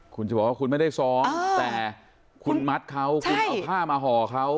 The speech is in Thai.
คุณจะบอกว่าคุณไม่ได้ซ้อมแต่คุณมัดเขาคุณเอาผ้ามาห่อเขา